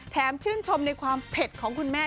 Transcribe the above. ชื่นชมในความเผ็ดของคุณแม่